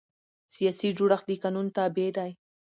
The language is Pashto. سیاسي جوړښت د قانون تابع دی